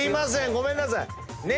ごめんなさい。